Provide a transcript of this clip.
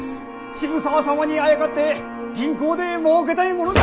渋沢様にあやかって銀行でもうけたいものだ。